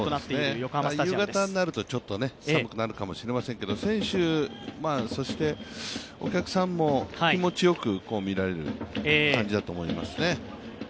夕方になると、ちょっと寒くなるかもしれませんけど、選手、そしてお客さんも気持ちよく見られる感じだと思いますね。